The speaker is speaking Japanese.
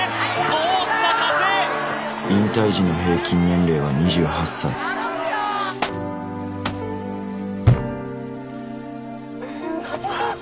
どうした加瀬引退時の平均年齢は２８歳うん加瀬選手